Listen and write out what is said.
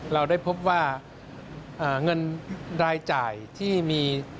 เราได้พบว่าเงินรายจ่ายที่มี